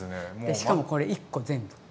しかもこれ１個全部。